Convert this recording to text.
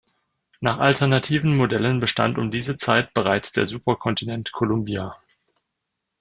Nach alternativen Modellen bestand um diese Zeit bereits der Superkontinent Columbia.